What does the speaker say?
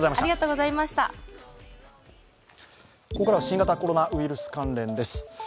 ここからは新型コロナウイルス関連です。